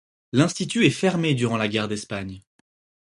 L'Institut est fermé durant la Guerre d'Espagne.